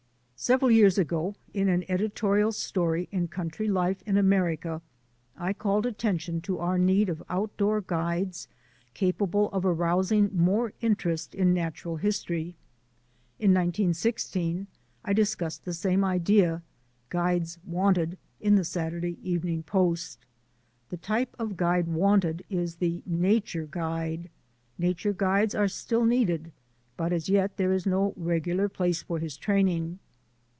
Some years ago in an editorial story in Country Life in America I called attention to our need of outdoor guides capable of arousing more interest in natural history. In 1916 I discussed the same idea, "Guides Wanted," in the Saturday Evening Post. The type of guide wanted is the nature guide. Nature guides are still needed but as yet there is no regular place for this training.